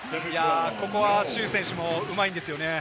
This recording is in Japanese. ここはシュウ選手もうまいんですよね。